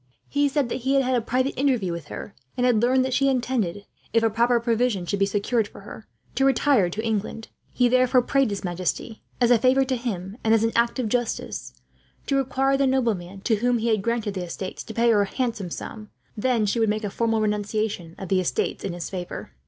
He said that he had had an interview with her, and had learned that she intended, if a proper provision should be secured for her, to retire to England. He therefore prayed his majesty, as a favour to him and as an act of justice, to require the nobleman to whom he had granted the estates to pay her a handsome sum, when she would make a formal renunciation of the estates in his favour.